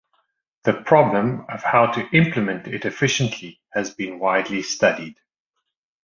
The problem of how to implement it efficiently has been widely studied.